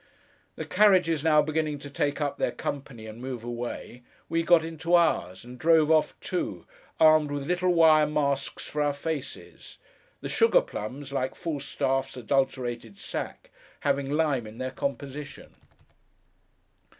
The carriages now beginning to take up their company, and move away, we got into ours, and drove off too, armed with little wire masks for our faces; the sugar plums, like Falstaff's adulterated sack, having lime in their composition.